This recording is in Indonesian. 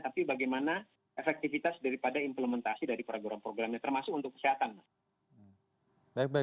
tapi bagaimana efektivitas daripada implementasi dari program programnya termasuk untuk kesehatan mas